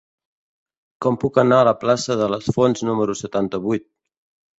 Com puc anar a la plaça de les Fonts número setanta-vuit?